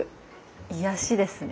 癒やしですね。